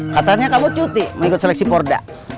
katanya kamu cuti mengikut seleksi porda